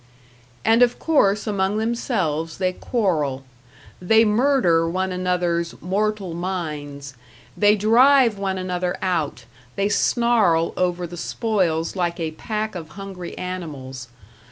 And of course among themselves they quarrel; they murder one another's Mortal Minds, they drive one another out, they snarl over the spoils like a pack of hungry animals.